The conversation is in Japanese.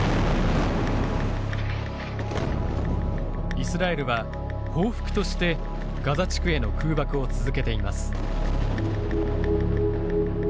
イスラエルは報復としてガザ地区への空爆を続けています。